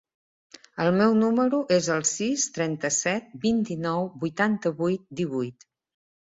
El meu número es el sis, trenta-set, vint-i-nou, vuitanta-vuit, divuit.